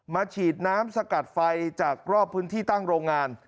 ฉีดน้ำสกัดไฟจากรอบพื้นที่ตั้งโรงงาน